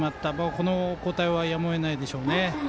この交代はやむを得ないでしょうね。